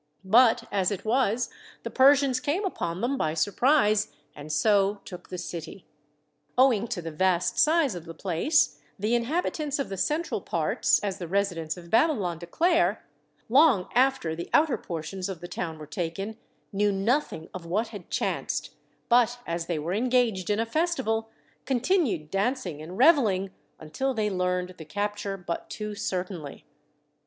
But, as it was, the Persians came upon them by surprise and so took the city. Owing to the vast size of the place, the inhabitants of the central parts (as the residents of Babylon declare), long after the outer portions of the town were taken, knew nothing of what had chanced, but as they were engaged in a festival, continued dancing and revelling until they learned the capture but too certainly.